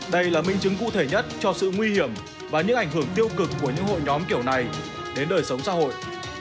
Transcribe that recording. đây là minh chứng cụ thể nhất cho sự nguy hiểm và những ảnh hưởng tiêu cực của những hội nhóm kiểu này đến đời sống xã hội